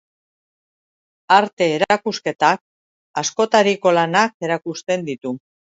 Arte erakusketak askotariko lanak erakusten ditu.